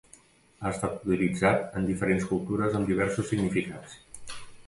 Ha estat utilitzat en diferents cultures amb diversos significats.